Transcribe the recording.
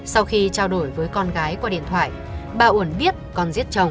sau khi trao đổi với con gái qua điện thoại bà uẩn biết con giết chồng